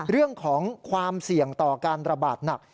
เรื่องของความเสี่ยงต่อการระบาดหนัก